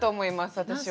私は。